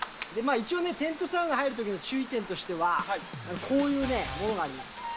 一応ね、テントサウナ入るときの注意点としては、こういう物があるんです。